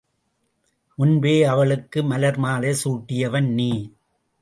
முன்பே அவளுக்கு மலர்மாலை சூட்டியவன் நீ!